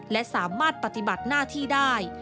และสามารถปฏิบัติหน้าที่ได้